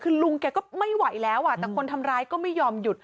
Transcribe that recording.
คือลุงแกก็ไม่ไหวแล้วแต่คนทำร้ายก็ไม่ยอมหยุด